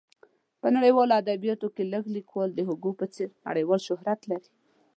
په نړیوالو ادبیاتو کې لږ لیکوال د هوګو په څېر نړیوال شهرت لري.